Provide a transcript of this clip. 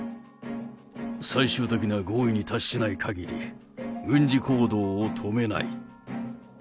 最終的な合意に達しないかぎり、軍事行動を止めない。